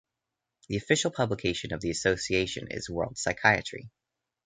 The official publication of the association is World Psychiatry.